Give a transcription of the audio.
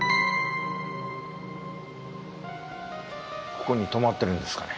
ここに泊まってるんですかね？